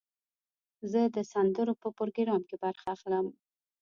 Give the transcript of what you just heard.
زه د سندرو په پروګرام کې برخه اخلم.